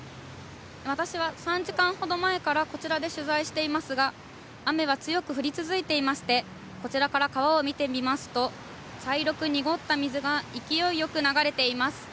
私は３時間ほど前からこちらで取材していますが、雨は強く降り続いていまして、こちらから川を見てみますと、茶色く濁った水が勢いよく流れています。